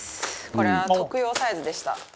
これは徳用サイズでした。